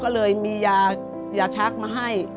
หลอดเลยมียายาชักมาให้